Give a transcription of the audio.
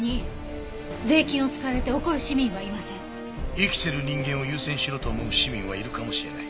生きてる人間を優先しろと思う市民はいるかもしれない。